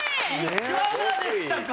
いかがでしたか？